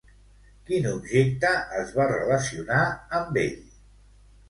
Quin objecte es va relacionar amb ell?